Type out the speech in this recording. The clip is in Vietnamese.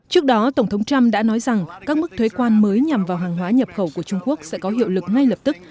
trước đó tổng thống trump đã nói rằng các mức thuế quan mới nhằm vào hàng hóa nhập khẩu của trung quốc sẽ có hiệu lực ngay lập tức